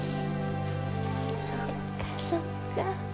そっかそっか。